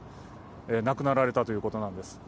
亡くなられたということなんです。